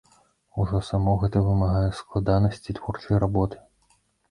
Ужо само гэта вымагае складанасці творчай работы.